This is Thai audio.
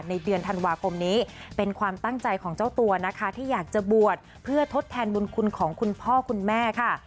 ในเดือนธันวาคมนี้เป็นความตั้งใจของเจ้าตัวนะคะที่อยากจะบวชเพื่อทดแทนบุญคุณของคุณพ่อคุณแม่ค่ะ